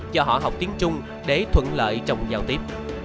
cho họ học tiếng trung để thuận lợi trong giao tiếp